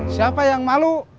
siapa yang malu